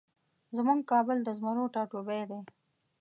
زمونږ کابل د زمرو ټاټوبی دی